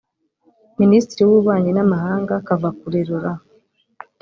Minisitiri w’ububanyi n’amahanga Kavakure Laurent